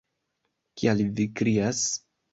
Kial vi krias?